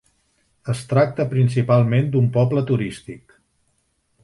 Es tracta principalment d'un poble turístic.